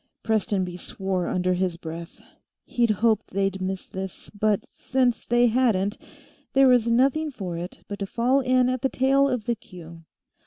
Prestonby swore under his breath. He'd hoped they'd miss this, but since they hadn't, there was nothing for it but to fall in at the tail of the queue.